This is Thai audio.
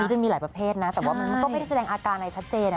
มันมีหลายประเภทนะแต่ว่ามันก็ไม่ได้แสดงอาการอะไรชัดเจน